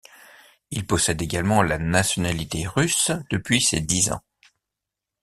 Il possède également la nationalité russe depuis ses dix ans.